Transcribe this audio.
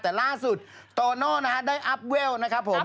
แต่ล่าสุดโตโน่นะฮะได้อัพเวลนะครับผม